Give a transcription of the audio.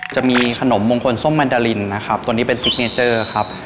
จะมีขนมมงคลส้มมันดารินนะครับตัวนี้เป็นซิกเนเจอร์ครับ